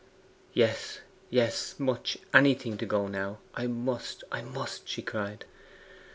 'Yes, yes much anything to go now. I must; I must!' she cried.